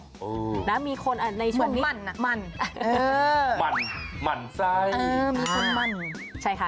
อือมันอะมันเออมันมันใส่มีคนมันใช่ค่ะ